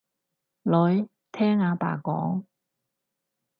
女，聽阿爸講